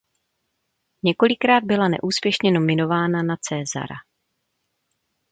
Několikrát byla neúspěšně nominována na Césara.